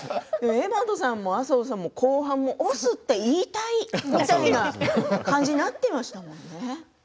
柄本さんも麻生さんも後半、もう「押忍」って言いたいみたいな感じになっていましたもんね。